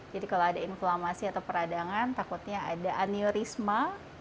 jadi kalau ada inflamasi atau peradangan takutnya ada aneurisma